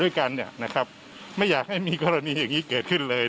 ด้วยกันเนี่ยนะครับไม่อยากให้มีกรณีอย่างนี้เกิดขึ้นเลย